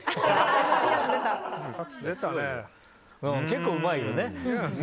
結構うまいよね。